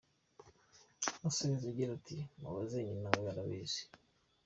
Asubiza agira ati “ Mubaze nyina , we arabizi.